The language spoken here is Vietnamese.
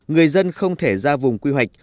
người dân không thể ra vùng quy hoạch